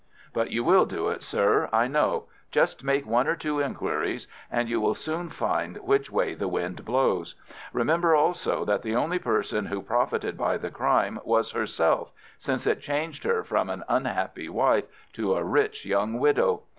But you will do it, sir, I know. Just make one or two inquiries, and you will soon find which way the wind blows. Remember, also, that the only person who profited by the crime was herself, since it changed her from an unhappy wife to a rich young widow.